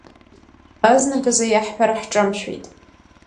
Азнык азы иаҳҳәара ҳҿамшәеит.